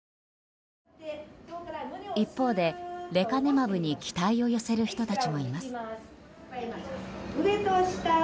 一方でレカネマブに期待を寄せる人たちもいます。